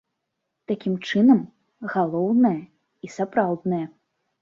Такім чынам, галоўнае і сапраўднае.